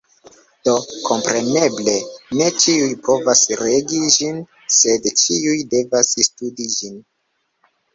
Do kompreneble, ne ĉiuj povas regi ĝin, sed ĉiuj devas studi ĝin.